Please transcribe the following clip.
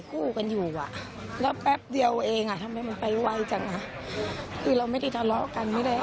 พูดโบน่าจะออกปงภายอย่างนี้